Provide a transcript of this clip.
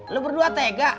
lo berdua tega